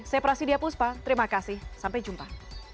saya prasidya puspa terima kasih sampai jumpa